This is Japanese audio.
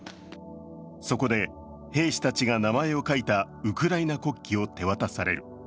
そこで、兵士たちが名前を書いたウクライナ国旗を手渡される。